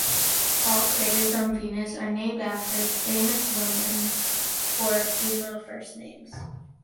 All craters on Venus are named after famous women or female first names.